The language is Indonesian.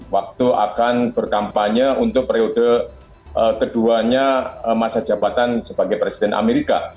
waktu akan berkampanye untuk periode keduanya masa jabatan sebagai presiden amerika